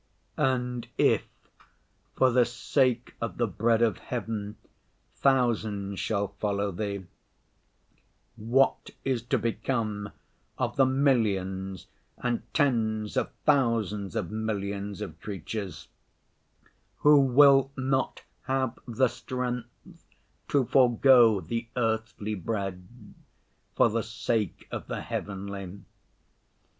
And if for the sake of the bread of Heaven thousands shall follow Thee, what is to become of the millions and tens of thousands of millions of creatures who will not have the strength to forego the earthly bread for the sake of the heavenly?